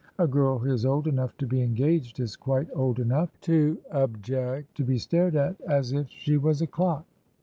A girl who is old enough to be engaged is quite old enough to object to be stared at as if she was a clock.